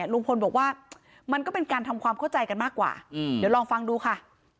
ลุงพลบอกว่ามันก็เป็นการทำความเข้าใจกันมากกว่าเดี๋ยวลองฟังดูค่ะ